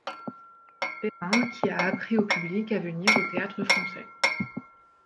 Perrin qui a appris au public à venir au Théâtre-Français.